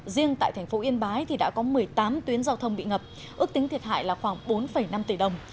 riêng tại thành phố yên bái thì đã có một mươi tám tuyến giao thông bị ngập ước tính thiệt hại là khoảng bốn năm tỷ đồng